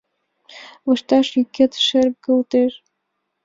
Лышташ йӱкет шергылтеш